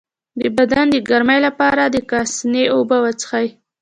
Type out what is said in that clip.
د بدن د ګرمۍ لپاره د کاسني اوبه وڅښئ